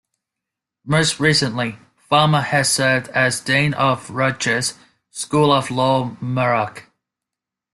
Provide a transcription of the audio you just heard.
Most recently, Farmer has served as Dean of Rutgers School of Law-Newark.